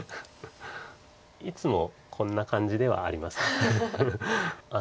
いつもこんな感じではありますか。